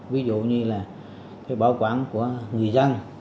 ví dụ như là bảo quản của người dân